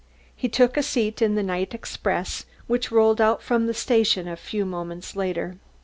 He took a seat in the night express which rolled out from the station a few moments later.